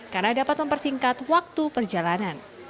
karena dapat mempersingkat waktu perjalanan